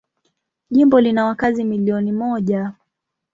Jimbo lina wakazi milioni moja.